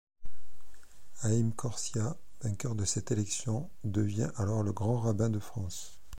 Haïm Korsia, vainqueur de cette élection, devient alors le grand-rabbin de France.